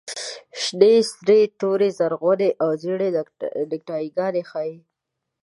شنې، سرې، تورې، زرغونې او زېړې نیکټایي ګانې ښیي.